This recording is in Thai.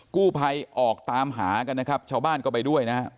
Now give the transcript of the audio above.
กู้ภัยออกตามหากันนะครับชาวบ้านก็ไปด้วยนะฮะ